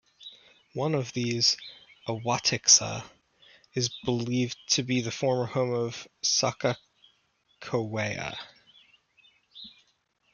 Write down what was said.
One of these, Awatixa, is believed to be the former home of Sakakawea.